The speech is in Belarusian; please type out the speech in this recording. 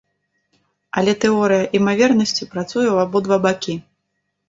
Але тэорыя імавернасці працуе ў абодва бакі.